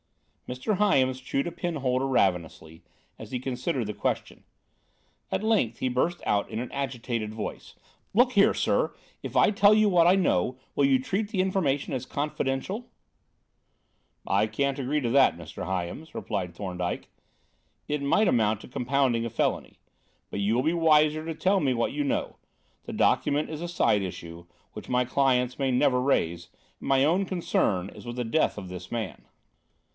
Mr. Hyams chewed a pen holder ravenously, as he considered the question. At length, he burst out in an agitated voice: "Look here, sir, if I tell you what I know, will you treat the information as confidential? "I can't agree to that, Mr. Hyams," replied Thorndyke. "It might amount to compounding a felony. But you will be wiser to tell me what you know. The document is a side issue, which my clients may never raise, and my own concern is with the death of this man."